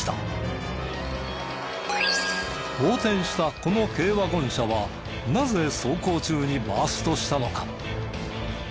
横転したこの軽ワゴン車はなぜ走行中にバーストしたのか？